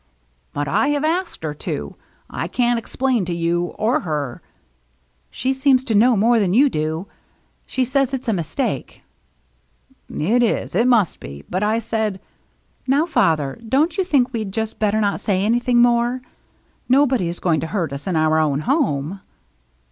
" But I have asked her to. I can't explain to you, or her —"" She seems to know more than you do. She says it's a mistake." " It is ; it must be. But I said —" "Now, father, don't you think we'd just better not say anything more? Nobody is going to hurt us in our own home."